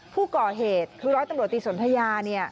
ผู้ก่อเหตุคือร้อยตำรวจตรีสนทะยา